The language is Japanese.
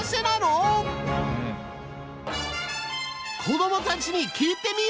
子どもたちに聞いてみよう！